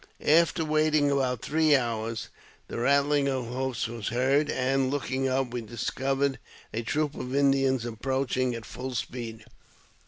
After waiting about three hours, the rattling of hoofs was heard, and, looking up, we discovered a troop of Indians ap proaching at full speed.